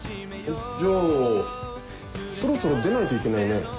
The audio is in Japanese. じゃあそろそろ出ないといけないね。